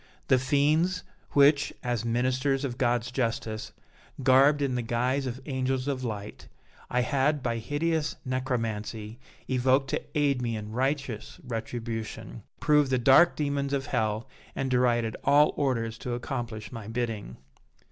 The fiends which, as ministers of God's justice, garbed in the guise of angels of light, I had, by hideous necromancy, evoked to aid me in righteous retribution, proved the dark demons of hell and derided all orders to accomplish my bidding.